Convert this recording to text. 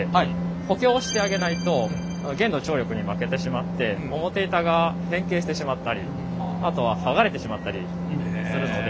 補強してあげないと弦の張力に負けてしまって表板が変形してしまったりあとは剥がれてしまったりするので。